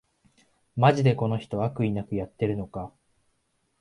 マジでこの人、悪意なくやってるのか